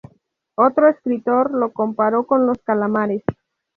Otro escritor lo comparó con los calamares.